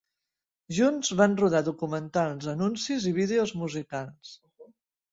Junts van rodar documentals, anuncis i vídeos musicals.